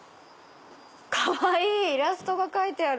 かわいいイラストが描いてある。